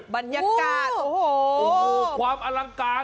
บรรยากาศโอ้โหความอลังการ